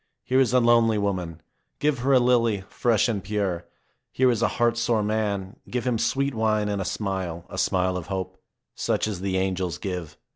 Here is a lonely woman. Give her a lily, fresh and pure. Here is a heart sore man. Give him sweet wine and a smile, a smile of hope, such as the angels give.